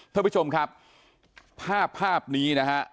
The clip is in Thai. ท่านผู้ชมครับภาพภาพนี้นะฮะ